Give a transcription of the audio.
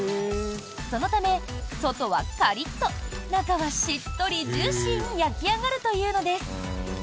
そのため、外はカリッと中はしっとりジューシーに焼き上がるというのです。